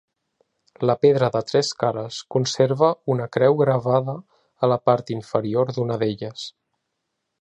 La pedra de tres cares, conserva una creu gravada a la part inferior d'una d'elles.